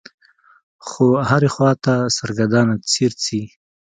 خو هرې خوا ته سرګردانه څي رڅي.